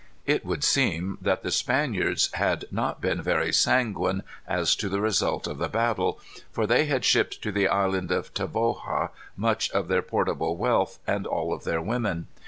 It would seem that the Spaniards had not been very sanguine as to the result of the battle; for they had shipped to the Island of Tavoga much of their portable wealth and all of their women.